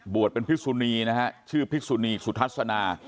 บวชเป็นพิสุนีชื่อพิสุนีสุทัศนา